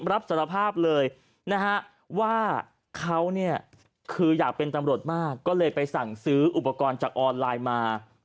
รับสารภาพเลยนะฮะว่าเขาเนี่ยคืออยากเป็นตำรวจมากก็เลยไปสั่งซื้ออุปกรณ์จากออนไลน์มา